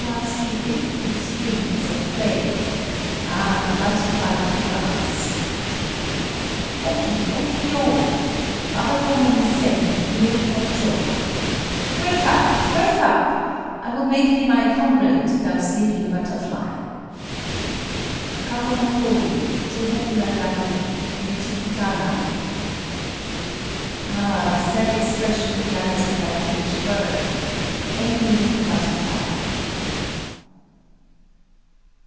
[Even while sleeping, its dream is of play—ah, the butterfly of the grass! Oki, oki yo! Waga tomo ni sen, Néru kochō! [Wake up! wake up!—I will make thee my comrade, thou sleeping butterfly.] Kago no tori Chō wo urayamu Metsuki kana! [_Ah, the sad expression in the eyes of that caged bird!—envying the butterfly!